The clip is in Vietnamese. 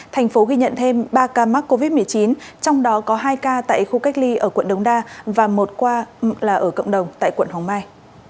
thành phố ghi nhận thêm ba ca mắc covid một mươi chín trong đó có hai ca tại khu cách ly ở quận đống đa và một ca là ở cộng đồng tại quận hoàng mai